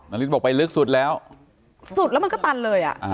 ฤทธิบอกไปลึกสุดแล้วสุดแล้วมันก็ตันเลยอ่ะ